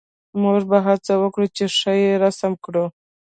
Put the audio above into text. موږ به هڅه وکړو چې ښه یې رسم کړو